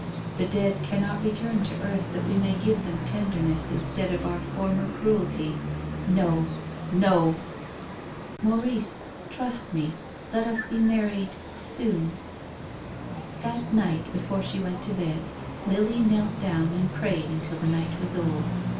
The dead cannot return to earth that we may give them tenderness instead of our former cruelty. No— no !"" Maurice — trust me. Let us be married — soon." That night, before she went to bed, Lily knelt down and prayed until the night was old.